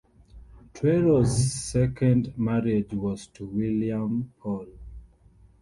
Tuero's second marriage was to William Paul.